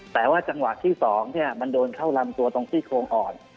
แต่ว่าจังหวะที่๒มันโดนเข้าลำตัวตรงที่โครงอ่อน